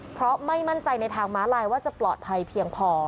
เพราะไม่มั่นใจในทางม้าลายว่าจะปลอดภัยเพียงพอ